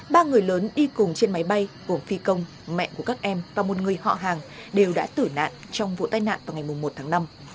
ba người lớn đi cùng trên máy bay gồm phi công mẹ của các em và một người họ hàng đều đã tử nạn trong vụ tai nạn vào ngày một tháng năm